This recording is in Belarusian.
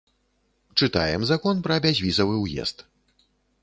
Чытаем закон пра бязвізавы ўезд.